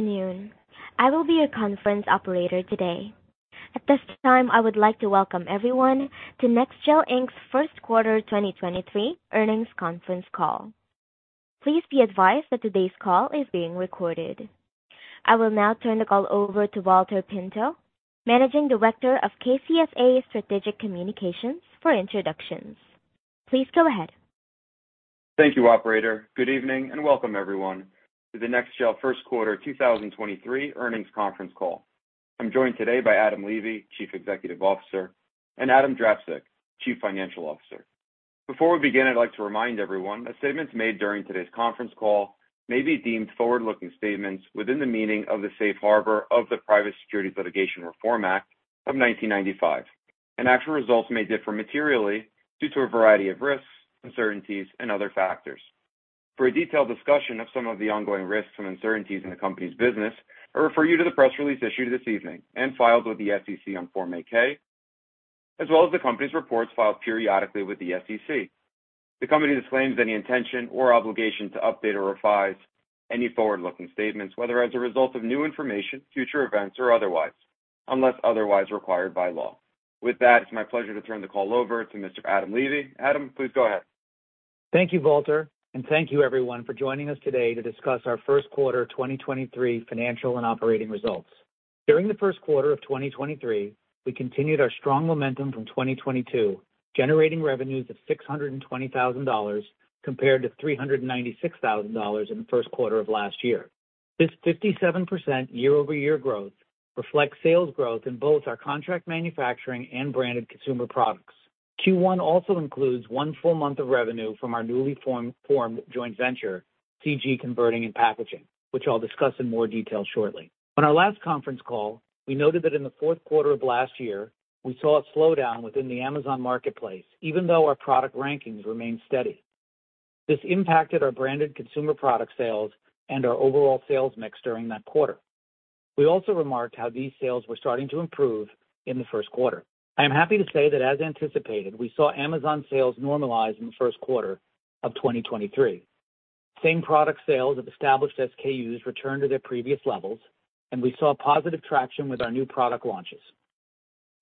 Good afternoon. I will be your conference operator today. At this time, I would like to welcome everyone to NEXGEL, Inc.'s first quarter 2023 earnings conference call. Please be advised that today's call is being recorded. I will now turn the call over to Valter Pinto, Managing Director of KCSA Strategic Communications, for introductions. Please go ahead. Thank you, operator. Good evening and welcome everyone to the NEXGEL first quarter 2023 earnings conference call. I'm joined today by Adam Levy, Chief Executive Officer, and Adam Drapczuk, Chief Financial Officer. Before we begin, I'd like to remind everyone that statements made during today's conference call may be deemed forward-looking statements within the meaning of the safe harbor of the Private Securities Litigation Reform Act of 1995. Actual results may differ materially due to a variety of risks, uncertainties and other factors. For a detailed discussion of some of the ongoing risks and uncertainties in the company's business, I refer you to the press release issued this evening and filed with the SEC on Form 8-K, as well as the company's reports filed periodically with the SEC. The company disclaims any intention or obligation to update or revise any forward-looking statements, whether as a result of new information, future events or otherwise, unless otherwise required by law. With that, it's my pleasure to turn the call over to Mr. Adam Levy. Adam, please go ahead. Thank you, Valter, and thank you everyone for joining us today to discuss our first quarter 2023 financial and operating results. During the first quarter of 2023, we continued our strong momentum from 2022, generating revenues of $620,000 compared to $396,000 in the first quarter of last year. This 57% year-over-year growth reflects sales growth in both our contract manufacturing and branded consumer products. Q1 also includes one full month of revenue from our newly formed joint venture, CG Converting and Packaging, which I'll discuss in more detail shortly. On our last conference call, we noted that in the fourth quarter of last year, we saw a slowdown within the Amazon marketplace, even though our product rankings remained steady. This impacted our branded consumer product sales and our overall sales mix during that quarter. We also remarked how these sales were starting to improve in the first quarter. I am happy to say that as anticipated, we saw Amazon sales normalize in the first quarter of 2023. Same product sales of established SKUs returned to their previous levels. We saw positive traction with our new product launches.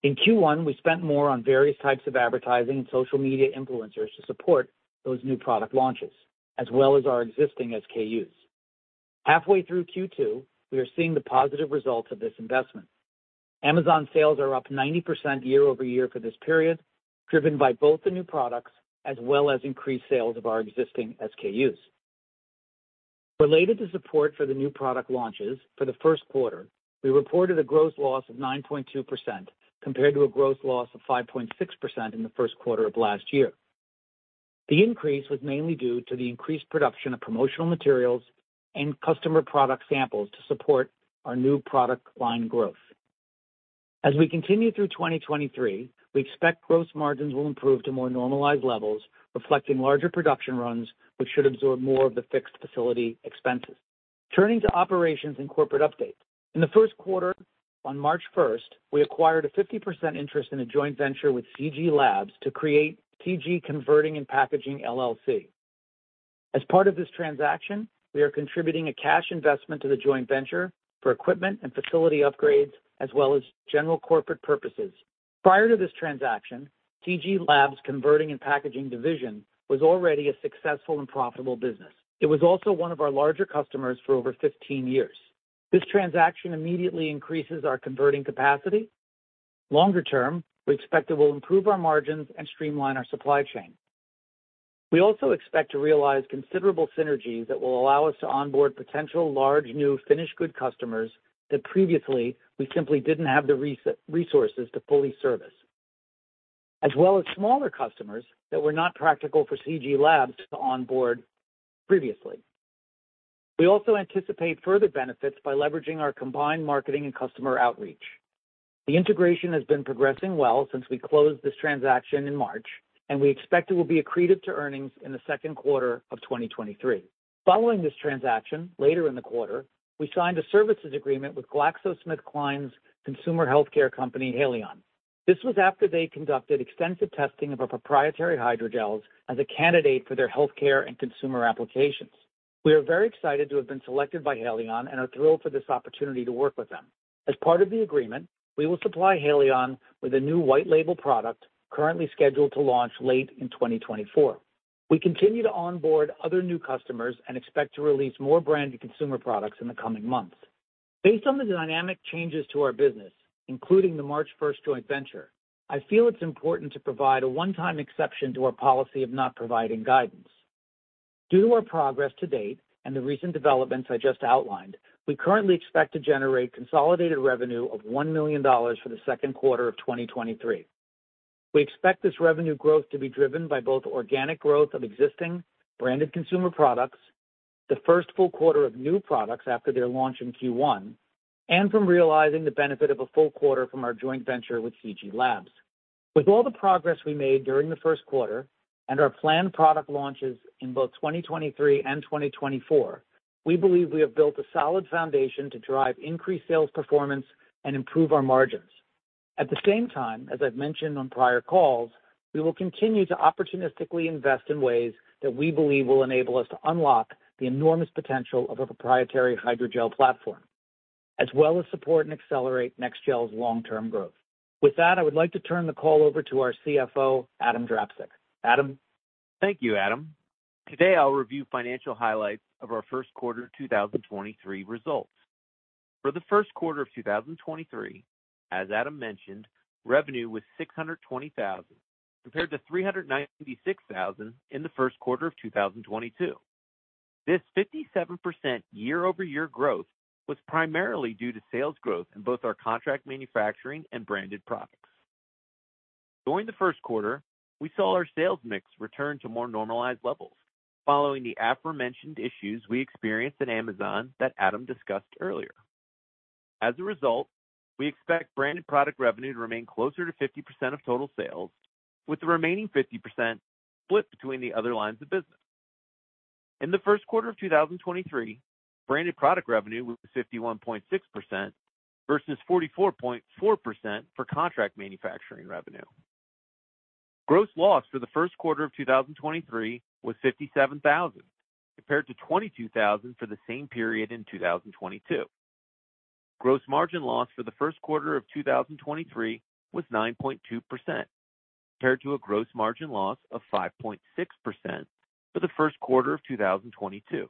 In Q1, we spent more on various types of advertising and social media influencers to support those new product launches, as well as our existing SKUs. Halfway through Q2, we are seeing the positive results of this investment. Amazon sales are up 90% year-over-year for this period, driven by both the new products as well as increased sales of our existing SKUs. Related to support for the new product launches for the first quarter, we reported a gross loss of 9.2% compared to a gross loss of 5.6% in the first quarter of last year. The increase was mainly due to the increased production of promotional materials and customer product samples to support our new product line growth. As we continue through 2023, we expect gross margins will improve to more normalized levels, reflecting larger production runs which should absorb more of the fixed facility expenses. Turning to operations and corporate updates. In the first quarter, on March 1st, we acquired a 50% interest in a joint venture with CG Labs to create CG Converting and Packaging, LLC. As part of this transaction, we are contributing a cash investment to the joint venture for equipment and facility upgrades as well as general corporate purposes. Prior to this transaction, CG Labs Converting and Packaging Division was already a successful and profitable business. It was also one of our larger customers for over 15 years. This transaction immediately increases our converting capacity. Longer term, we expect it will improve our margins and streamline our supply chain. We also expect to realize considerable synergies that will allow us to onboard potential large new finished good customers that previously we simply didn't have the resources to fully service, as well as smaller customers that were not practical for CG Labs to onboard previously. We also anticipate further benefits by leveraging our combined marketing and customer outreach. The integration has been progressing well since we closed this transaction in March, and we expect it will be accretive to earnings in the second quarter of 2023. Following this transaction, later in the quarter, we signed a services agreement with GlaxoSmithKline's consumer healthcare company, Haleon. This was after they conducted extensive testing of our proprietary hydrogels as a candidate for their healthcare and consumer applications. We are very excited to have been selected by Haleon and are thrilled for this opportunity to work with them. As part of the agreement, we will supply Haleon with a new white label product currently scheduled to launch late in 2024. We continue to onboard other new customers and expect to release more branded consumer products in the coming months. Based on the dynamic changes to our business, including the March first joint venture, I feel it's important to provide a one-time exception to our policy of not providing guidance. Due to our progress to date and the recent developments I just outlined, we currently expect to generate consolidated revenue of $1 million for the second quarter of 2023. We expect this revenue growth to be driven by both organic growth of existing branded consumer products, the first full quarter of new products after their launch in Q1, and from realizing the benefit of a full quarter from our joint venture with CG Labs. With all the progress we made during the first quarter and our planned product launches in both 2023 and 2024, we believe we have built a solid foundation to drive increased sales performance and improve our margins. At the same time, as I've mentioned on prior calls, we will continue to opportunistically invest in ways that we believe will enable us to unlock the enormous potential of a proprietary hydrogel platform, as well as support and accelerate NEXGEL's long-term growth. With that, I would like to turn the call over to our CFO, Adam Drapczuk. Adam. Thank you, Adam. Today I'll review financial highlights of our first quarter 2023 results. For the first quarter of 2023, as Adam mentioned, revenue was $620,000, compared to $396,000 in the first quarter of 2022. This 57% year-over-year growth was primarily due to sales growth in both our contract manufacturing and branded products. During the first quarter, we saw our sales mix return to more normalized levels following the aforementioned issues we experienced in Amazon that Adam discussed earlier. As a result, we expect branded product revenue to remain closer to 50% of total sales, with the remaining 50% split between the other lines of business. In the first quarter of 2023, branded product revenue was 51.6% versus 44.4% for contract manufacturing revenue. Gross loss for the first quarter of 2023 was $57,000, compared to $22,000 for the same period in 2022. Gross margin loss for the first quarter of 2023 was 9.2%, compared to a gross margin loss of 5.6% for the first quarter of 2022.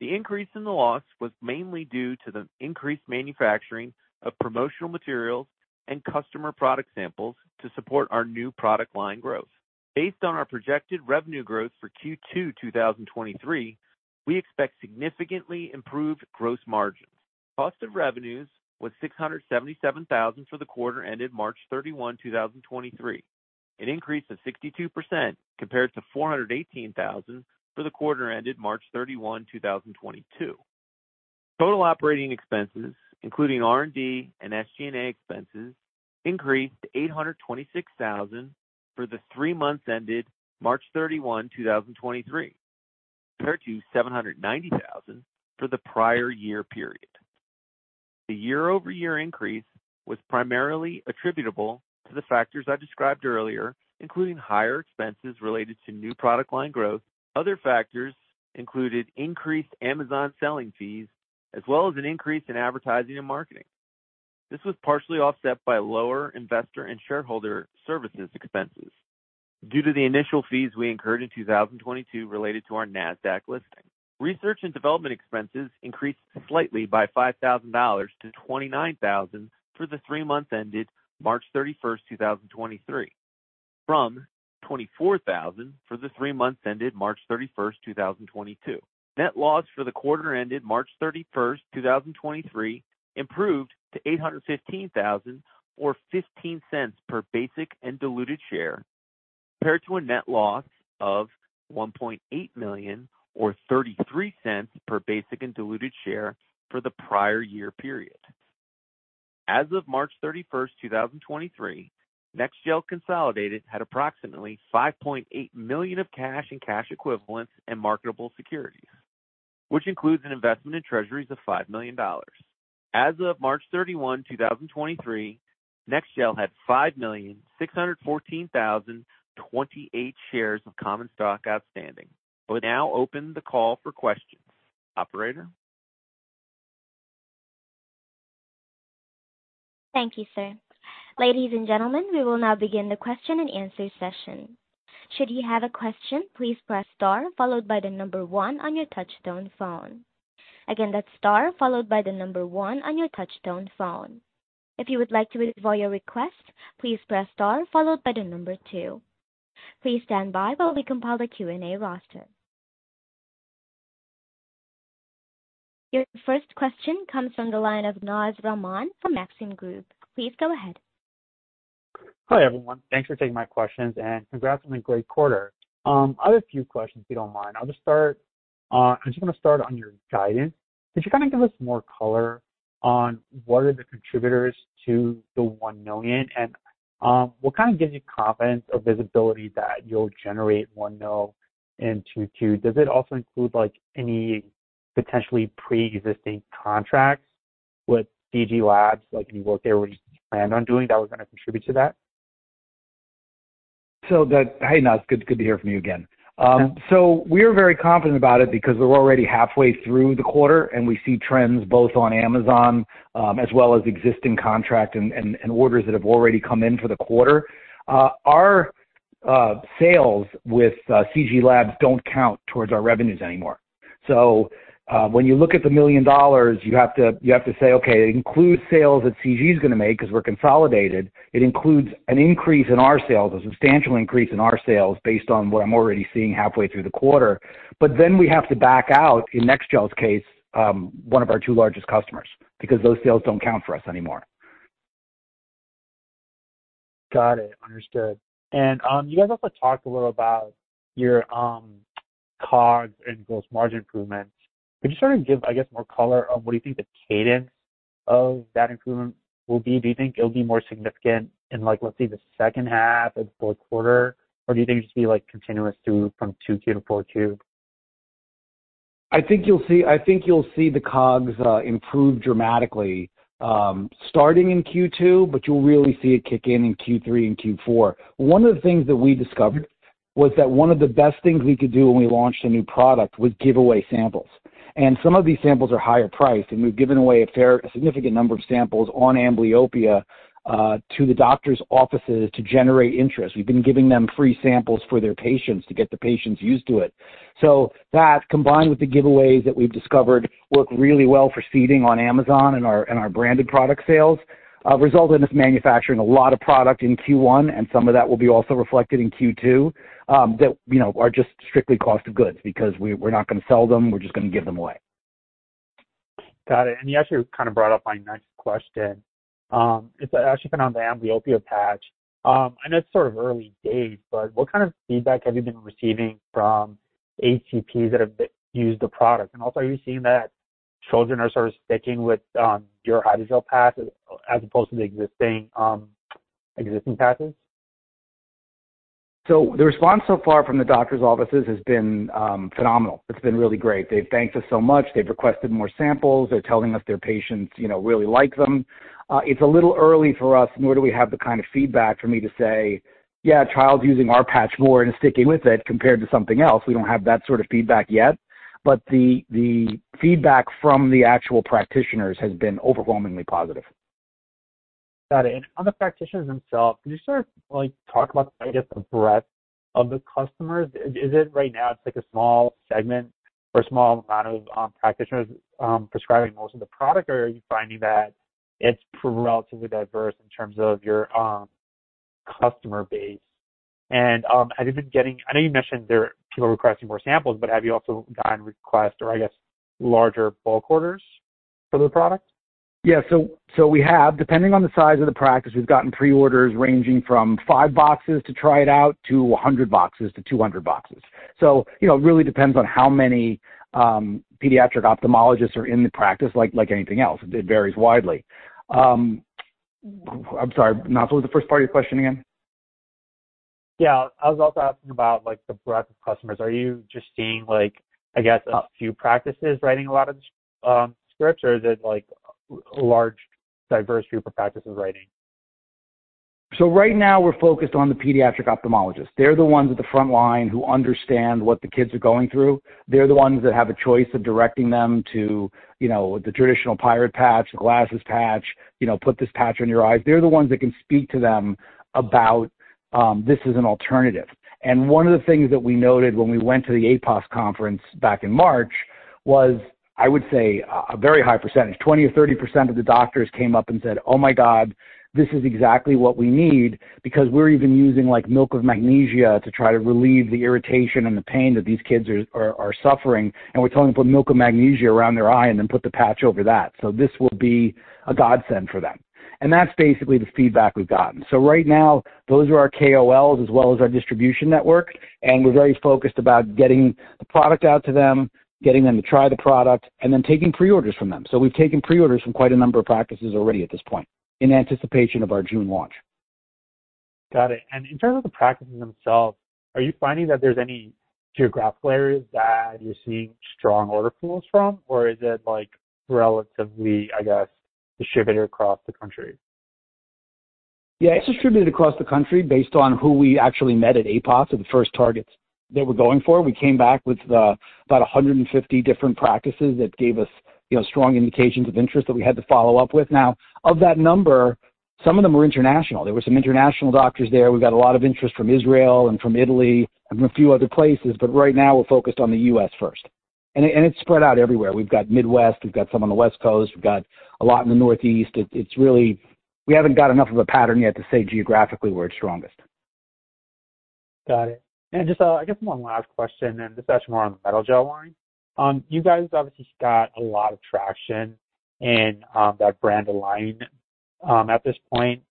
The increase in the loss was mainly due to the increased manufacturing of promotional materials and customer product samples to support our new product line growth. Based on our projected revenue growth for Q2 2023, we expect significantly improved gross margins. Cost of revenues was $677,000 for the quarter ended March 31, 2023, an increase of 62% compared to $418,000 for the quarter ended March 31, 2022. Total operating expenses, including R&D and SG&A expenses, increased to $826,000 for the three months ended March 31, 2023, compared to $790,000 for the prior year period. The year-over-year increase was primarily attributable to the factors I described earlier, including higher expenses related to new product line growth. Other factors included increased Amazon selling fees as well as an increase in advertising and marketing. This was partially offset by lower investor and shareholder services expenses due to the initial fees we incurred in 2022 related to our Nasdaq listing. Research and development expenses increased slightly by $5,000-$29,000 for the three months ended March 31, 2023, from $24,000 for the three months ended March 31, 2022. Net loss for the quarter ended March 31, 2023, improved to $815,000 or $0.15 per basic and diluted share, compared to a net loss of $1.8 million or $0.33 per basic and diluted share for the prior year period. As of March 31, 2023, NEXGEL consolidated had approximately $5.8 million of cash and cash equivalents and marketable securities, which includes an investment in treasuries of $5 million. As of March 31, 2023, NEXGEL had 5,614,028 shares of common stock outstanding. We'll now open the call for questions. Operator? Thank you, sir. Ladies and gentlemen, we will now begin the question and answer session. Should you have a question, please press star followed by one on your touch tone phone. Again, that's star followed by one on your touch tone phone. If you would like to withdraw your request, please press star followed by two. Please stand by while we compile the Q&A roster. Your first question comes from the line of Naz Rahman from Maxim Group. Please go ahead. Hi, everyone. Thanks for taking my questions and congrats on a great quarter. I have a few questions, if you don't mind. I'm just gonna start on your guidance. Could you kind of give us more color on what are the contributors to the $1 million? What kind of gives you confidence or visibility that you'll generate $1 million in 2022? Does it also include like any potentially pre-existing contracts with CG Labs? Like any work they already planned on doing that was going to contribute to that? Hey, Naz, good to hear from you again. Yeah. We're very confident about it because we're already halfway through the quarter and we see trends both on Amazon, as well as existing contract and orders that have already come in for the quarter. Our sales with CG Labs don't count towards our revenues anymore. When you look at the $1 million, you have to, you have to say, okay, it includes sales that CG is going to make because we're consolidated. It includes an increase in our sales, a substantial increase in our sales based on what I'm already seeing halfway through the quarter. We have to back out, in NEXGEL's case, one of our two largest customers because those sales don't count for us anymore. Got it. Understood. You guys also talked a little about your COGS and gross margin improvements. Could you sort of give, I guess, more color on what do you think the cadence of that improvement will be? Do you think it'll be more significant in like, let's say, the second half or the fourth quarter? Or do you think it'll just be like continuous through from 2Q to 4Q? I think you'll see the COGS improve dramatically, starting in Q2, but you'll really see it kick in in Q3 and Q4. One of the things that we discovered was that one of the best things we could do when we launched a new product was give away samples. Some of these samples are higher priced, and we've given away a fair significant number of samples on amblyopia, to the doctor's offices to generate interest. We've been giving them free samples for their patients to get the patients used to it. That, combined with the giveaways that we've discovered work really well for seeding on Amazon and our, and our branded product sales, result in us manufacturing a lot of product in Q1, and some of that will be also reflected in Q2, that, you know, are just strictly cost of goods because we're not gonna sell them, we're just gonna give them away. Got it. You actually kind of brought up my next question. It's actually been on the amblyopia patch. I know it's sort of early days, but what kind of feedback have you been receiving from HCPs that have used the product? Also, are you seeing that children are sort of sticking with your hydrogel patch as opposed to the existing patches? The response so far from the doctor's offices has been phenomenal. It's been really great. They've thanked us so much. They've requested more samples. They're telling us their patients, you know, really like them. It's a little early for us, nor do we have the kind of feedback for me to say, "Yeah, a child's using our patch more and sticking with it compared to something else." We don't have that sort of feedback yet, but the feedback from the actual practitioners has been overwhelmingly positive. Got it. On the practitioners themselves, can you sort of, like, talk about, I guess, the breadth of the customers? Is it right now it's like a small segment or a small amount of practitioners prescribing most of the product, or are you finding that it's relatively diverse in terms of your customer base? Have you been getting I know you mentioned there are people requesting more samples, but have you also gotten requests or, I guess, larger bulk orders for the product? Yeah. We have. Depending on the size of the practice, we've gotten pre-orders ranging from 5 boxes to try it out to 100 boxes to 200 boxes. You know, it really depends on how many pediatric ophthalmologists are in the practice, like anything else. It varies widely. I'm sorry. What was the first part of your question again? Yeah. I was also asking about, like, the breadth of customers. Are you just seeing, like, I guess, a few practices writing a lot of scripts, or is it, like, a large diverse group of practices writing? Right now we're focused on the pediatric ophthalmologist. They're the ones at the front line who understand what the kids are going through. They're the ones that have a choice of directing them to, you know, the traditional pirate patch, the glasses patch, you know, put this patch on your eyes. They're the ones that can speak to them about this is an alternative. One of the things that we noted when we went to the APOS conference back in March was, I would say, a very high percentage, 20% or 30% of the doctors came up and said, "Oh my God, this is exactly what we need because we're even using like Milk of Magnesia to try to relieve the irritation and the pain that these kids are suffering, and we're telling them to put Milk of Magnesia around their eye and then put the patch over that." This will be a godsend for them. That's basically the feedback we've gotten. Right now those are our KOLs as well as our distribution network, and we're very focused about getting the product out to them, getting them to try the product and then taking pre-orders from them. We've taken pre-orders from quite a number of practices already at this point in anticipation of our June launch. Got it. In terms of the practices themselves, are you finding that there's any geographical areas that you're seeing strong order flows from, or is it like relatively, I guess, distributed across the country? Yeah. It's distributed across the country based on who we actually met at APOS or the first targets that we're going for. We came back with about 150 different practices that gave us, you know, strong indications of interest that we had to follow up with. Of that number, some of them are international. There were some international doctors there. We got a lot of interest from Israel and from Italy and from a few other places. Right now we're focused on the U.S. first. It's spread out everywhere. We've got Midwest, we've got some on the West Coast, we've got a lot in the Northeast. We haven't got enough of a pattern yet to say geographically where it's strongest. Got it. Just, I guess one last question, and this is actually more on the Medagel line. You guys obviously got a lot of traction in, that brand line, at this point,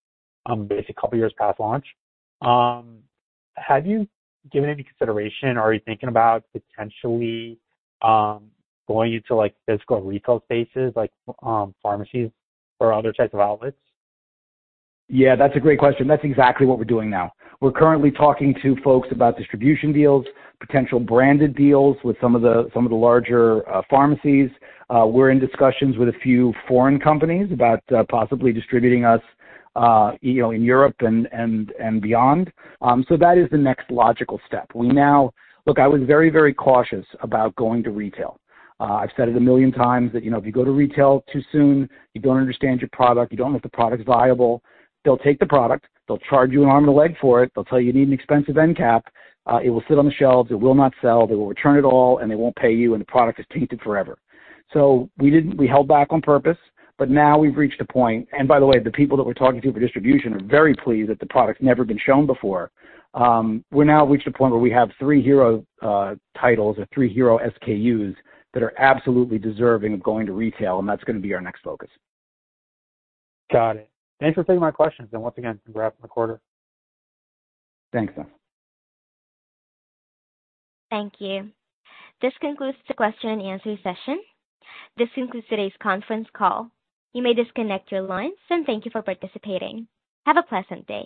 basic couple years past launch. Have you given any consideration or are you thinking about potentially, going into, like, physical retail spaces like, pharmacies or other types of outlets? Yeah, that's a great question. That's exactly what we're doing now. We're currently talking to folks about distribution deals, potential branded deals with some of the larger pharmacies. We're in discussions with a few foreign companies about possibly distributing us, you know, in Europe and beyond. That is the next logical step. Look, I was very, very cautious about going to retail. I've said it million times that, you know, if you go to retail too soon, you don't understand your product, you don't know if the product's viable, they'll take the product, they'll charge you an arm and a leg for it. They'll tell you you need an expensive end cap. It will sit on the shelves. It will not sell. They will return it all, and they won't pay you, and the product is tainted forever. We held back on purpose, but now we've reached a point. By the way, the people that we're talking to for distribution are very pleased that the product's never been shown before. We've now reached a point where we have three hero titles or three hero SKUs that are absolutely deserving of going to retail, and that's gonna be our next focus. Got it. Thanks for taking my questions. Once again, congrats to the quarter. Thanks. Thank you. This concludes the question and answer session. This concludes today's conference call. You may disconnect your lines, and thank you for participating. Have a pleasant day.